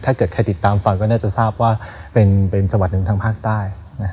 ถ้าเกิดใครติดตามฟังก็น่าจะทราบว่าเป็นจังหวัดหนึ่งทางภาคใต้